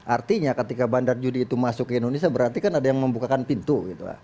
artinya ketika bandar judi itu masuk ke indonesia berarti kan ada yang membukakan pintu